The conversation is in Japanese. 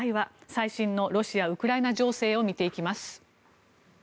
最新のロシア、ウクライナ情勢を見ていきます。